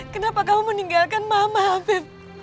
kenapa kamu meninggalkan mama afif